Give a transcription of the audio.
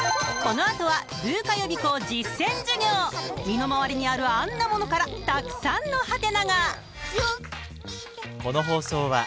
［身の回りにあるあんなものからたくさんのハテナが］